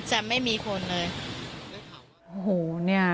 จะไม่มีคนเลย